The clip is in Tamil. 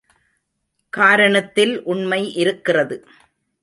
காரணத்தில் உண்மை இருக்கிறது.